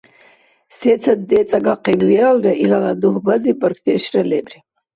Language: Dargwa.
Сецад децӀагахъиб виалра, илала дугьбазиб бархьдешра лебри.